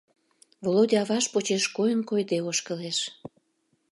Володя аваж почеш койын-койде ошкылеш.